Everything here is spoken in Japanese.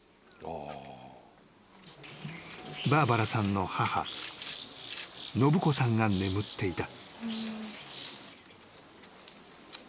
［バーバラさんの母信子さんが眠っていた］